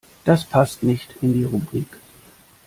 Das passt nicht in die Rubrik.